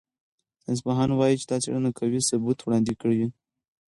ساینسپوهان وايي چې دا څېړنه قوي ثبوت وړاندې کوي.